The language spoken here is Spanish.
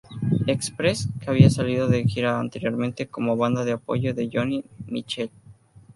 Express, que había salido de gira anteriormente como banda de apoyo de Joni Mitchell.